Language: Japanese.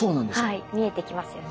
はい見えてきますよね。